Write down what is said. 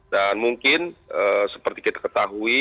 dan mungkin seperti kita ketahui